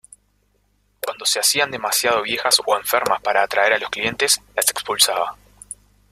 Cuando se hacían demasiado viejas o enfermas para atraer a los clientes, las expulsaba.